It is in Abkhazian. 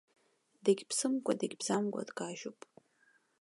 Дегьԥсымкәа дегьбзамкәа дкажьуп.